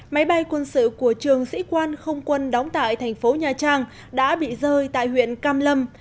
máy bay quân sự của trường sĩ quan không quân đóng tại thành phố nha trang đã bị rơi tại huyện cam lâm